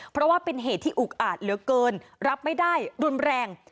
เพราะว่าเป็นเหตุที่อุกอาจเหลือเกินรับไม่ได้รุนแรง